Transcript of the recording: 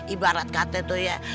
ibarat kata itu ya